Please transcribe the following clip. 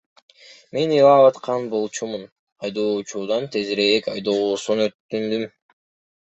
Мен ыйлап аткан болчумун, айдоочудан тезирээк айдоосун өтүндүм.